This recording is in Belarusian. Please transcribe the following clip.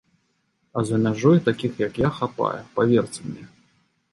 А за мяжой такіх, як я, хапае, паверце мне.